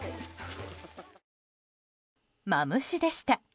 マムシでした。